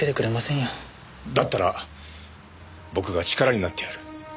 だったら僕が力になってやる。